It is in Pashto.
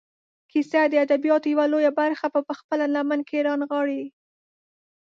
کیسه د ادبیاتو یوه لویه برخه په خپله لمن کې رانغاړي.